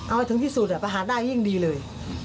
เอาให้ถึงที่สุดประหารได้ยิ่งดีเลย